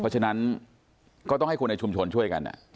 เพราะฉะนั้นก็ต้องให้คนในชุมชนช่วยกัน